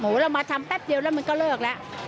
เรามาทำแป๊บเดียวแล้วมันก็เลิกแล้ว